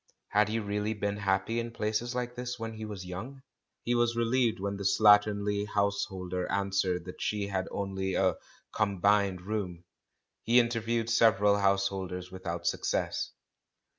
Had he really been happy in places like this when he was young? He was relieved when the slatternly householder answered that she had only a "combined room." He interviewed several householders without suc cess.